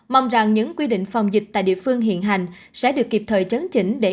mong rằng những quy định phòng dịch tại địa phương hiện hành sẽ được kịp thời chấn chỉnh để